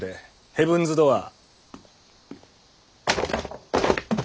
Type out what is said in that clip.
ヘブンズ・ドアー。